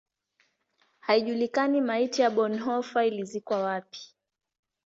Haijulikani maiti ya Bonhoeffer ilizikwa wapi.